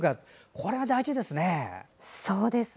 これが大事ですね。